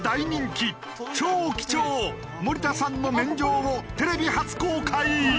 超貴重森田さんの免状をテレビ初公開。